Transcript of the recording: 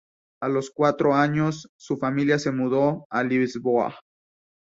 A los cuatro años, su familia se mudó a Lisboa.